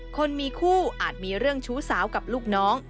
คนมีคู่อาจมีเรื่องชู้สาวกับลูกน้อง